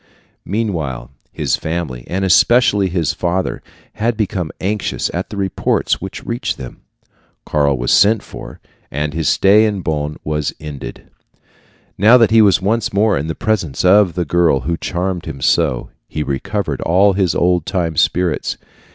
Meanwhile his family, and especially his father, had become anxious at the reports which reached them. Karl was sent for, and his stay at Bonn was ended. Now that he was once more in the presence of the girl who charmed him so, he recovered all his old time spirits.